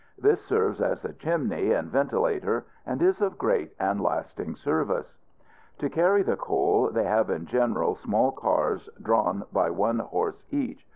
This serves as a chimney and ventilator, and is of great and lasting service. To carry the coal, they have in general small cars drawn by one horse each.